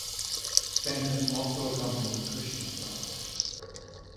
Stanton also accompanied Cushing abroad.